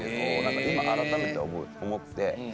こう今改めて思って。